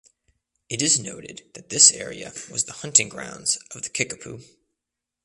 It is noted that this area was the hunting grounds of the Kickapoo.